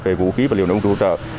về vũ khí vật liệu nổ công cụ hỗ trợ